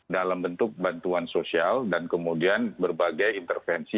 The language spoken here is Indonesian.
dalam bentuk bantuan sosial dan kemudian berbagai intervensi